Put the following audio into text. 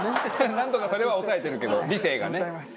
なんとかそれは抑えてるけど理性がね。